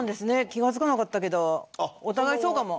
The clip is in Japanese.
気が付かなかったけどお互いそうかも。